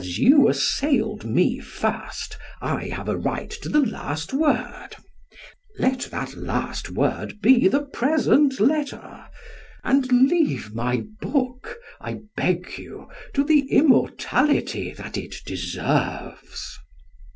As you assailed me first, I have a right to the last word. Let that last word be the present letter, and leave my book, I beg you, to the immortality that it deserves.